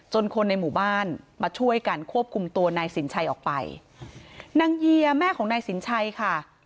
คนในหมู่บ้านมาช่วยกันควบคุมตัวนายสินชัยออกไปนางเยียแม่ของนายสินชัยค่ะ